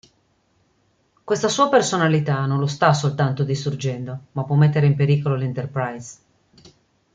Questa sua personalità non lo sta soltanto distruggendo, ma può mettere in pericolo l'Enterprise.